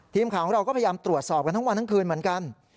ทีมข่าวของเราก็พยายามตรวจสอบกันทั้งวันทั้งคืนเหมือนกัน